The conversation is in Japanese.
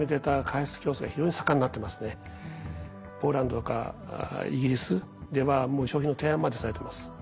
ポーランドとかイギリスでは商品の提案までされてます。